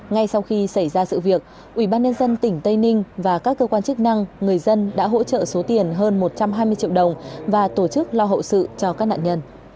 ngay sau khi xảy ra sự việc ubnd tỉnh tây ninh và các cơ quan chức năng người dân đã hỗ trợ số tiền hơn một trăm hai mươi triệu đồng và tổ chức lo hậu sự cho các nạn nhân